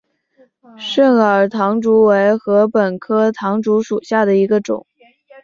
肾耳唐竹为禾本科唐竹属下的一个种。